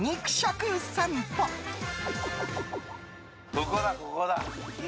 ここだ、ここだ。